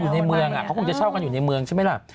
เขาคงอยู่ในเมืองใช่ไหมล่ะ